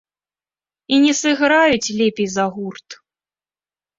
І не сыграюць лепей за гурт.